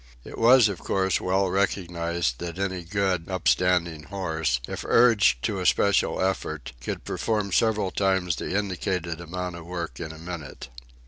It was, of course, well recognised that any good, upstanding horse, if urged to a special effort, could perform several times the indicated amount of work in a minute.